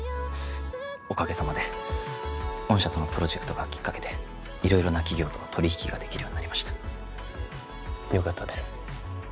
おかげさまで御社とのプロジェクトがきっかけで色々な企業と取り引きができるようになりましたよかったです